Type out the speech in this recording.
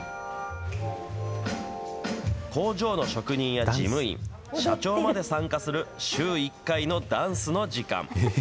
工場の職人や事務員、社長まで参加する週１回のダンスの時間。